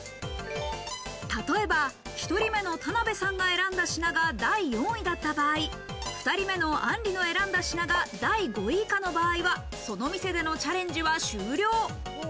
例えば、１人目の田辺さんが選んだ品が第４位だった場合、２人目のあんりの選んだ品が第５位以下の場合は、その店でのチャレンジは終了。